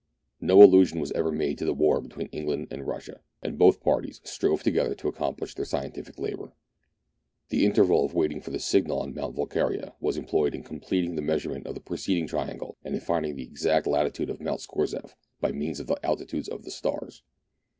No allusion was ever made to the war between England and Russia, and both parties strove together to accomplish their scientific labour. The interval of waiting for the signal on Mount Volquiria was employed in completing the measurement of the preceding triangle and in finding the exact latitude of Mount Scorzcf by means of the altitudes of the stars.